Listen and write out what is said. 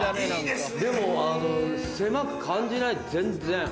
でも狭く感じない全然。